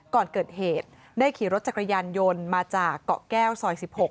ก่อนเกิดเหตุได้ขี่รถจักรยานยนต์มาจากเกาะแก้วซอย๑๖